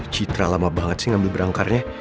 citra lama banget sih ngambil berangkarnya